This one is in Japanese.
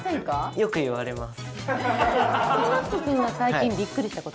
よく言われます。